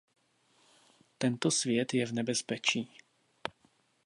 Tento svět je v nebezpečí.